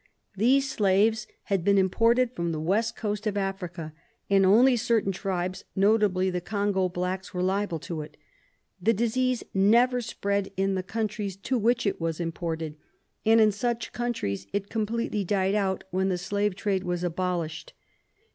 These slaves had been imported from the West Coast of Africa, and only certain tribes, notably the Congo blacks, were liable to it. The disease never spread in the countries to which it was imported, and in such countries it com pletely died out when the slave trade was abolished.